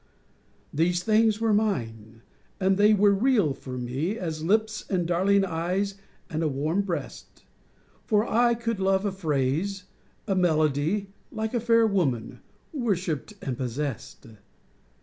These things were mine, and they were real for me As lips and darling eyes and a warm breast: For I could love a phrase, a melody, Like a fair woman, worshipped and possessed.